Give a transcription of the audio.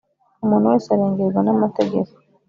umuntu wese arengerwa n’amategeko;